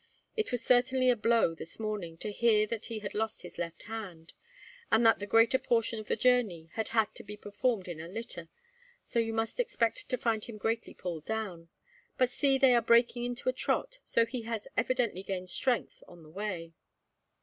"It was certainly a blow, this morning, to hear that he had lost his left hand, and that the greater portion of the journey had had to be performed in a litter, so you must expect to find him greatly pulled down. But see, they are breaking into a trot, so he has evidently gained strength on the way."